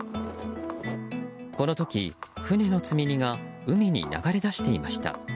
この時、船の積み荷が海に流れ出していました。